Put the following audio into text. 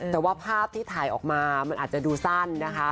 แต่ว่าภาพที่ถ่ายออกมามันอาจจะดูสั้นนะคะ